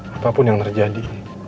apapun yang terjadi